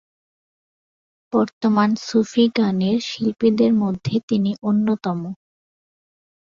বর্তমান সুফি গানের শিল্পীদের মধ্যে তিনি অন্যতম।